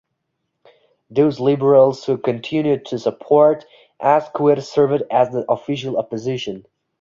Those Liberals who continued to support Asquith served as the Official Opposition.